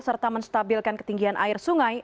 serta menstabilkan ketinggian air sungai